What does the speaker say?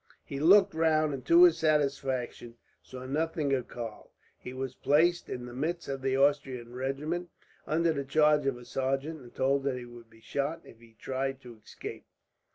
He looked round and, to his satisfaction, saw nothing of Karl. He was placed in the midst of the Austrian regiment, under the charge of a sergeant, and told that he would be shot if he tried to escape.